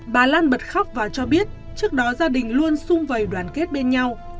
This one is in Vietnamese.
bà lan bật khóc và cho biết trước đó gia đình luôn sung vầy đoàn kết bên nhau